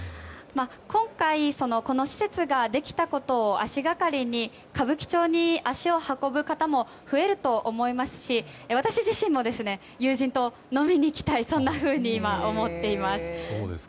今回、この施設ができたことを足がかりに歌舞伎町に足を運ぶ方も増えると思いますし私自身も、友人と飲みにきたいそんなふうに思っています。